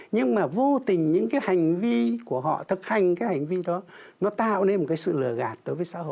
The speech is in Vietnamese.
nhưng mà vô tình những cái hành vi của họ thực hành cái hành vi đó nó tạo nên một cái sự lợi